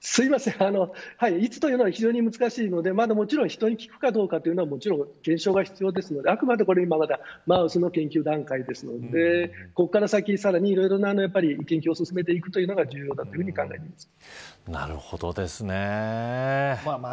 すいませんいつというのは非常に難しいのでもちろん人に効くのかどうかというのは検証が必要ですのであくまで今はまだマウスでの研究段階ですのでここから先、さらにいろいろな研究を進めていくのが重要だと考えています。